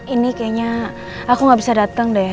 ini kayaknya aku gak bisa datang deh